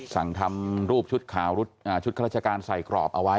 สั่งทำรูปชุดขาวชุดข้าราชการใส่กรอบเอาไว้